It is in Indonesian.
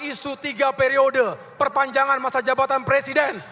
isu tiga periode perpanjangan masa jabatan presiden